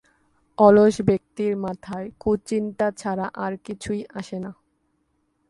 অলস ব্যক্তির মাথায় কুচিন্তা ছাড়া আর কিছুই আসে না।